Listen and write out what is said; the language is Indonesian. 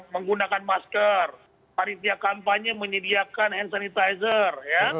menggunakan masker panitia kampanye menyediakan hand sanitizer